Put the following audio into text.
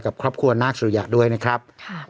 กับครอบครัวนาคสุริยะด้วยนะครับ